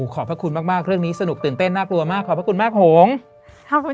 ขอบพระคุณมากเรื่องนี้สนุกตื่นเต้นน่ากลัวมากขอบพระคุณมากหงษ์